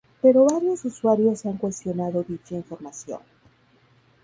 Pero varios usuarios han cuestionado dicha información.